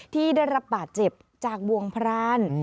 ที่ได้รับบาดเจ็บจากบ่วงพราน